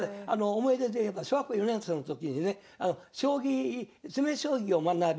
思い出でいえば小学校４年生の時にね将棋詰将棋を学び